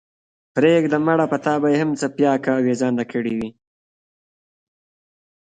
پرېږده مړه په تا به ئې هم څپياكه اوېزانده كړې وي۔